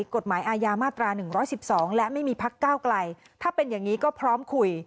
กฎหมายอาญามาตรา๑๑๒และไม่มีพักก้าวไกลถ้าเป็นอย่างนี้ก็พร้อมคุย